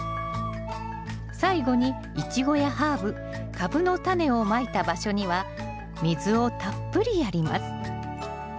最後にイチゴやハーブカブのタネをまいた場所には水をたっぷりやります。